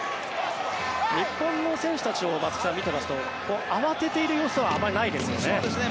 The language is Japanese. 日本の選手たちを松木さん、見ていますと慌てている様子はあまりないですよね。